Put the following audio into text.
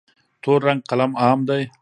تور رنګ قلم عام دی.